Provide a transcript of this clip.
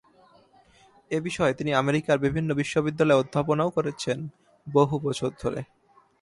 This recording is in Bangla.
এ বিষয়ে তিনি আমেরিকার বিভিন্ন বিশ্ববিদ্যালয়ে অধ্যাপনাও করছেন বহু বছর ধরে।